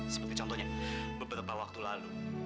seperti contohnya beberapa waktu lalu